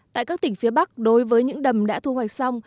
tại các tỉnh phía bắc đối với những đầm đã thu hoạch xong